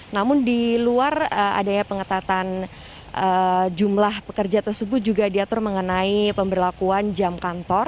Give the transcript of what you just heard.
namun di luar adanya pengetatan jumlah pekerja tersebut juga diatur mengenai pemberlakuan jam kantor